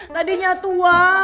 tadinya tua dan gitu